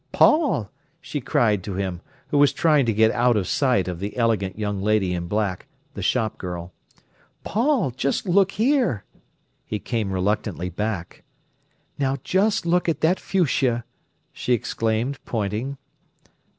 "Paul!" she cried to him, who was trying to get out of sight of the elegant young lady in black—the shop girl. "Paul! Just look here!" He came reluctantly back. "Now, just look at that fuchsia!" she exclaimed, pointing.